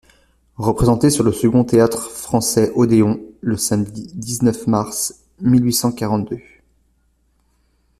Représentée sur le second Théâtre-Français odéon , le samedi dix-neuf mars mille huit cent quarante-deux.